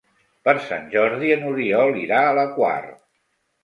Per Sant Jordi n'Oriol irà a la Quar.